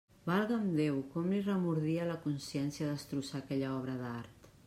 Valga'm Déu, com li remordia la consciència destrossar aquella obra d'art!